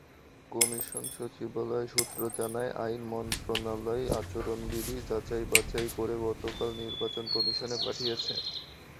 Commission সচিবালয় সূত্র জানায়, আইন মন্ত্রণালয় আচরণবিধি যাচাই-বাছাই করে গতকাল নির্বাচন কমিশনে পাঠিয়েছে।